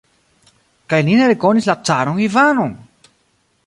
Kaj ni ne rekonis la caron Ivanon!